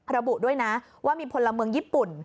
ระบุด้วยนะว่ามีพลเมืองญี่ปุ่น